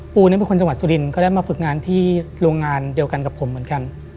ผู้นั้นเป็นคนจังหวัดสุรินตร์ก็ได้มาฝึกงานที่โรงงานกับผมเหมือนกัน